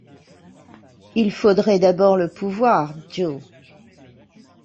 Il faudrait d’abord le pouvoir, Joe.